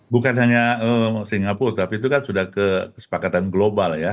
bukan hanya singapura tapi itu kan sudah kesepakatan global ya